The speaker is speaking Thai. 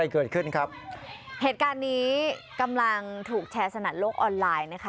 เกิดขึ้นครับเหตุการณ์นี้กำลังถูกแชร์สนัดโลกออนไลน์นะคะ